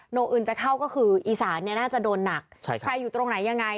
อื่นจะเข้าก็คืออีสานเนี่ยน่าจะโดนหนักใช่ใครอยู่ตรงไหนยังไง